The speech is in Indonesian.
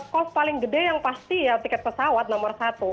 cost paling gede yang pasti ya tiket pesawat nomor satu